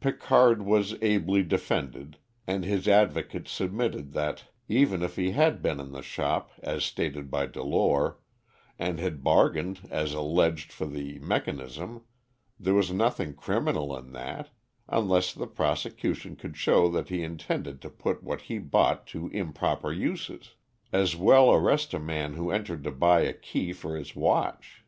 Picard was ably defended, and his advocate submitted that, even if he had been in the shop as stated by Delore, and had bargained as alleged for the mechanism, there was nothing criminal in that, unless the prosecution could show that he intended to put what he bought to improper uses. As well arrest a man who entered to buy a key for his watch.